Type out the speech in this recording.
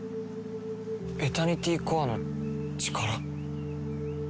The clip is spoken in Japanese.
エタニティコアの力？